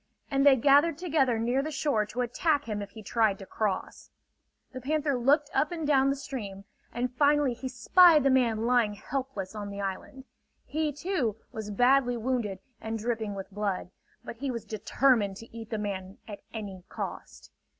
and they gathered together near the shore to attack him if he tried to cross. The panther looked up and down the stream, and finally he spied the man lying helpless on the island. He, too, was badly wounded and dripping with blood; but he was determined to eat the man at any cost.